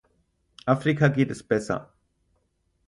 Afrika geht es besser.